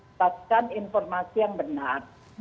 dapatkan informasi yang benar